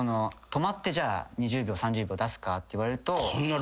止まって２０秒３０秒出すかって言われると。